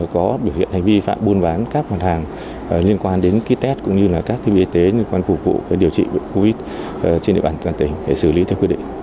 có biểu hiện hành vi phạm buôn bán các mặt hàng liên quan đến ký test cũng như các thiết bị y tế liên quan phục vụ điều trị bệnh covid trên địa bàn toàn tỉnh để xử lý theo quy định